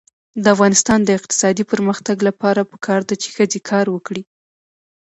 د افغانستان د اقتصادي پرمختګ لپاره پکار ده چې ښځې کار وکړي.